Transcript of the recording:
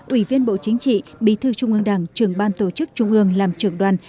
ủy viên bộ chính trị bí thư trung ương đảng trưởng ban tổ chức trung ương làm trưởng đoàn